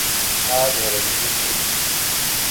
آ دیریل سی تھو ۔